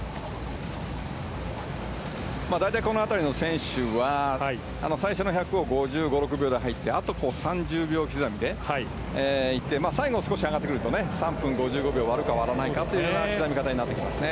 大体、この辺りの選手は最初の１００を５５５６秒で入ってあと３０秒刻みでいって最後、少し上がってくると３分５５秒を割るか割らないかぐらいの刻み方になってきますね。